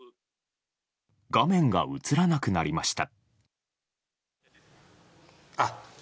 画面が映らなくなりました。